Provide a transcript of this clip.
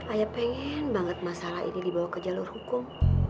ayah pengen banget masalah ini dibawa ke jalur hukum